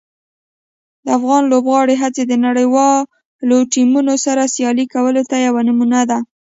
د افغان لوبغاړو هڅې د نړیوالو ټیمونو سره سیالي کولو ته یوه نمونه ده.